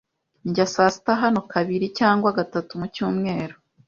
Ndya saa sita hano kabiri cyangwa gatatu mu cyumweru.